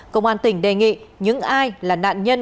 công an tỉnh đề nghị những ai là nạn nhân